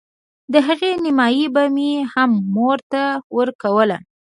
د هغې نيمايي به مې هم مور ته ورکوله.